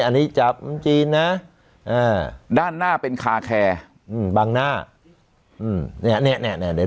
อันนี้จำจีนนะอ่าด้านหน้าเป็นอืมบังหน้าอืมเนี่ยเนี่ยเนี่ย